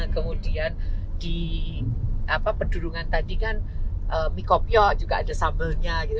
kemudian di pendudungan tadi kan miko piyok juga ada sambelnya gitu